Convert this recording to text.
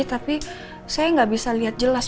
tapi saya gak bisa liat jelas